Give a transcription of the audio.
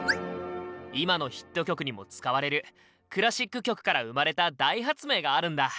今のヒット曲にも使われるクラシック曲から生まれた大発明があるんだ。